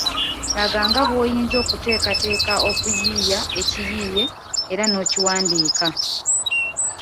Laga nga bw’oyinza okuteekateeka okuyiiya ekiyiiye era n’okiwandiika.